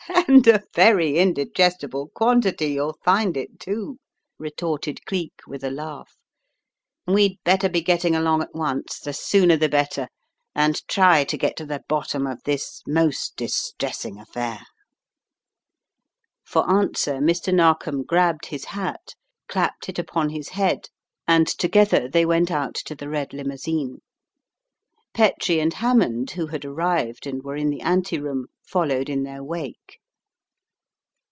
"And a very indigestible quantity you'll find it, too," retorted Cleek with a laugh. "We'd better be getting along at once, the sooner the better, and try to get to the bottom of this most distressing affair." For answer Mr. Narkom grabbed his hat, clapped it upon his head and together they went out to the 195 196 The Riddle of the Purple Emperor red limousine. Petrie and Hammond, who had arrived and were in the ante room, followed in their wake.